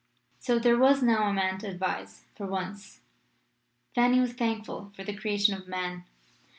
So, there was now a Man to advise. For once, Fanny was thankful for the creation of Man.